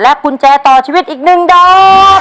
และกุญแจต่อชีวิตอีกหนึ่งดอก